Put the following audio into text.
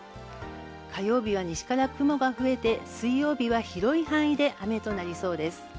火曜日は西から雲が増えて水曜日は広い範囲で雨となりそうです。